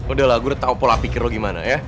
udah lah gue tau pola pikir lo gimana ya